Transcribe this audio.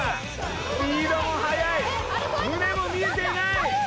スピードも速い胸も見えていない